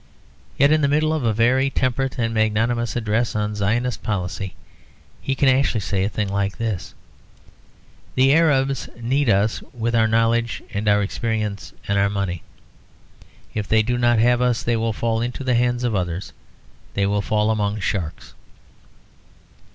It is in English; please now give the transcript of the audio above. Yet, in the middle of a very temperate and magnanimous address on "Zionist Policy," he can actually say a thing like this, "The Arabs need us with our knowledge, and our experience and our money. If they do not have us they will fall into the hands of others, they will fall among sharks."